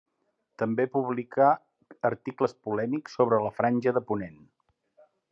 També publicà articles polèmics sobre la Franja de Ponent.